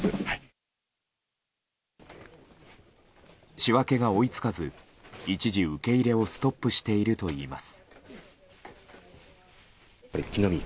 仕分けが追いつかず一時、受け入れをストップしているといいます。